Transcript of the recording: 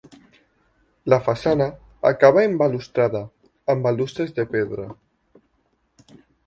La façana acaba en balustrada, amb balustres de pedra.